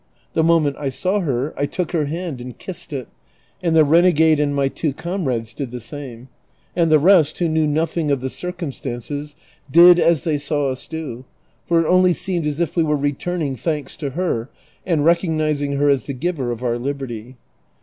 The moment I saw her I took her hand and kissed it, and the rene gade and my two comrades did the same ; and the rest, who knew nothing of the circumstances, did as they saw us do, for it only seemed as if we wei'e I'eturning thanks to her, and recognizing her as the giver of our libert\'.